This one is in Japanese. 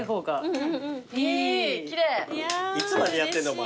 いつまでやってんだお前。